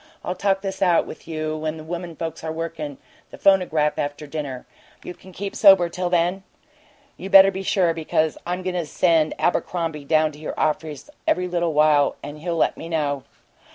I'll talk this out with you when the women folks are workin' the phonograph, after dinner. Can you keep sober till then? You better be sure, because I'm going to send Abercrombie down to your office every little while, and he'll let me know."